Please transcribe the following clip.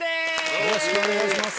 よろしくお願いします。